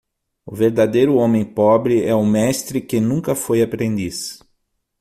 O verdadeiro homem pobre é o mestre que nunca foi aprendiz.